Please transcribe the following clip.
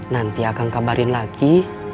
nanti akan kabarin lagi